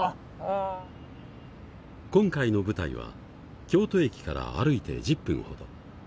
今回の舞台は京都駅から歩いて１０分ほど。